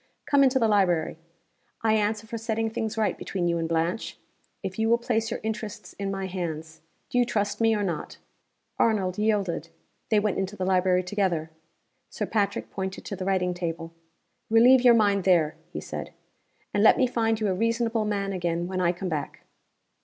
Come into the library! I answer for setting things right between you and Blanche, if you will place your interests in my hands. Do you trust me or not?" Arnold yielded. They went into the library together. Sir Patrick pointed to the writing table. "Relieve your mind there," he said. "And let me find you a reasonable man again when I come back."